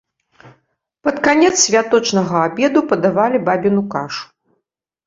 Пад канец святочнага абеду падавалі бабіну кашу.